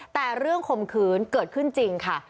แต่เรื่องข่มขืนเกิดขึ้นจริงค่ะ